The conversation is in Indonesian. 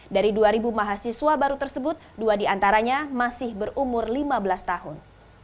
dari dua mahasiswa baru tersebut dua diantaranya masih berumur lima belas tahun